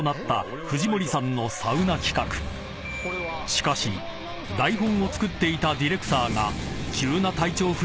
［しかし台本を作っていたディレクターが］